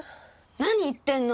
何言ってんの！